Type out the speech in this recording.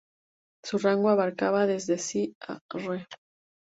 Su rango abarcaba desde Si a Re.